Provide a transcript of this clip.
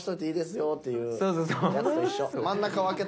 いいですか？